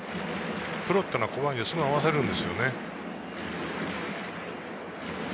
プロというのは怖いので、すぐに合わせられるんですよね。